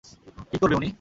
কী করবে উনি?